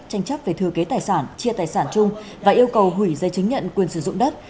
tranh chấp về thừa kế tài sản chia tài sản chung và yêu cầu hủy dây chứng nhận quyền sử dụng đất